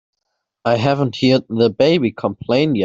I haven't heard the baby complain yet.